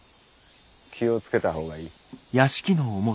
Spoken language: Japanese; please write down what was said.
気をつけた方がいい。